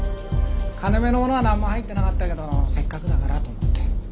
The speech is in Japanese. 金目のものはなんも入ってなかったけどせっかくだからと思って。